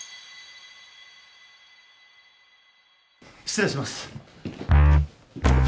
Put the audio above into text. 失礼します。